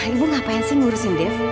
ibu ngapain sih ngurusin dev